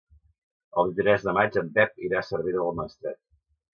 El vint-i-tres de maig en Pep irà a Cervera del Maestrat.